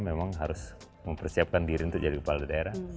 memang harus mempersiapkan diri untuk jadi kepala daerah